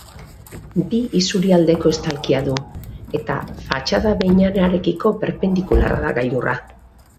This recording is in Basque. Bi isurialdeko estalkia du eta fatxada behinenarekiko perpendikularra da gailurra.